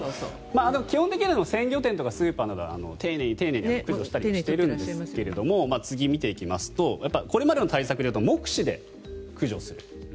基本的には鮮魚店とかスーパーなどは丁寧に丁寧に駆除したりしているんですが次、見ていきますとこれまでの対策だと目視で駆除する。